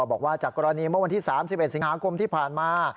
บอกว่าจากกรณีเมื่อวันที่๓๑สิงหาคมที่ผ่านมา